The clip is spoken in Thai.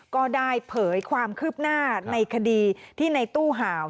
ก็ได้เผยความคืบหน้าในคดีที่ในตู้ห่าว